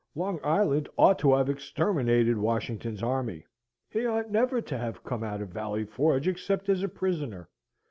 Long Island ought to have exterminated Washington's army; he ought never to have come out of Valley Forge except as a prisoner.